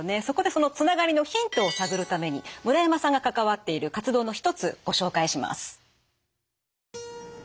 そこでそのつながりのヒントを探るために村山さんが関わっている活動の一つご紹介します。